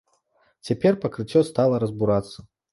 Цяпер пакрыццё стала разбурацца.